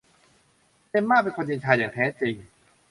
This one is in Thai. เจมม่าเป็นคนเย็นชาอย่างแท้จริง